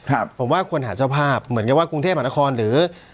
ครับผมว่าควรหาเจ้าภาพเหมือนกับว่ากรุงเทพมหานครหรือ